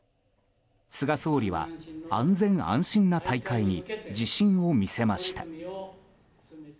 菅総理は安心・安全な大会に自信を見せました。